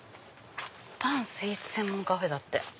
パンスイーツ専門カフェだって。